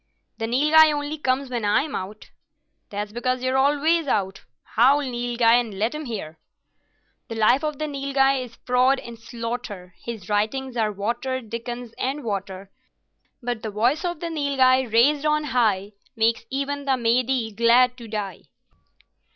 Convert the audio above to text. "The Nilghai only comes when I'm out." "That's because you're always out. Howl, Nilghai, and let him hear." "The life of the Nilghai is fraud and slaughter, His writings are watered Dickens and water; But the voice of the Nilghai raised on high Makes even the Mahdieh glad to die!"